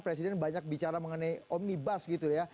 presiden banyak bicara mengenai omnibus gitu ya